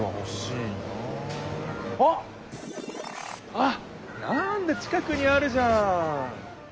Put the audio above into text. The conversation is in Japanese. あっなんだ近くにあるじゃん！